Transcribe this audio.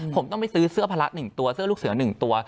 ผมต้องไปซื้อเสื้อพละ๑ตัวเสื้อลูกเสือ๑ตัว